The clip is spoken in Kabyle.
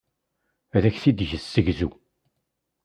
Ad ak-t-id-yessegzu.